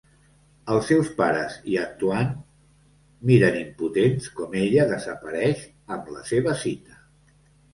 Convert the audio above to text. Els seus pares i Antoine miren impotents com ella desapareix amb la seva cita.